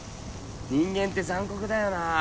人間って残酷だよな。